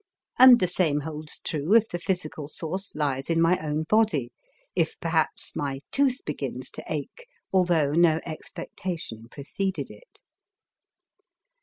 And the same holds true if the physical source lies in my own body, if perhaps my tooth begins to ache, although no expectation preceded it.